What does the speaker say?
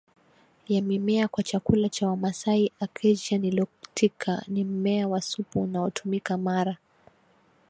ya mimea kwa chakula cha Wamasai Acacia nilotica ni mmea wa supu unaotumika mara